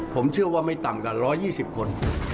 ผมเชื่อว่าไม่ต่ำกว่า๑๒๐คน